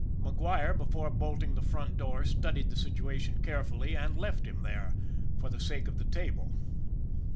MacGuire before bolting the front door studied the situation carefully, and left him there for the sake of the table.